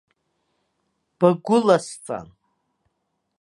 Багәыласҵан.